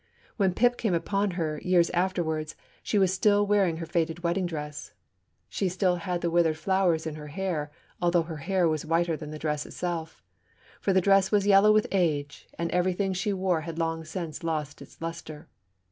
When Pip came upon her, years afterwards, she was still wearing her faded wedding dress. She still had the withered flowers in her hair, although her hair was whiter than the dress itself. For the dress was yellow with age, and everything she wore had long since lost its lustre.